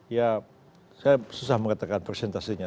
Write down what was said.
ya saya susah mengatakan presentasinya